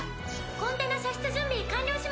コンテナ射出準備完了しました。